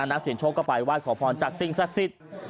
นักเสียงโชคก็ไปไหว้ขอพรจากสิ่งศักดิ์สิทธิ์